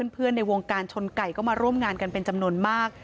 ในวงการชนไก่ก็มาร่วมงานกันเป็นจำนวนมาก